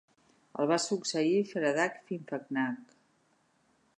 El va succeir Feradach Finnfechtnach.